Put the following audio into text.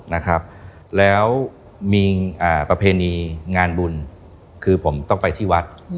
นะครับแล้วมีประเพณีงานบุญคือผมต้องไปที่วัด